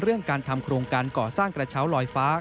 เรื่องการทำโครงการก่อสร้างกระเช้าลอยฟ้า